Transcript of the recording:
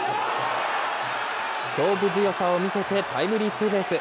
勝負強さを見せてタイムリーツーベース。